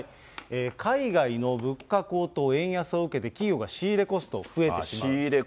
海外の物価高騰円安を受けて、企業が仕入れコスト、増える。